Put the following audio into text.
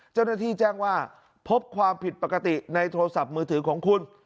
แจ้งว่าพบความผิดปกติในโทรศัพท์มือถือของคุณ